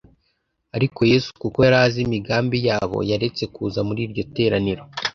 ariko yesu kuko yari azi imigambi yabo, yaretse kuza muri iryo teraniro